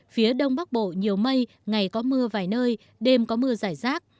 phía đông bắc bộ nhiều mây ngày có mưa vài nơi đêm có mưa giải rác